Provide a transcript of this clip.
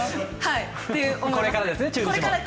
これからですね、中日も。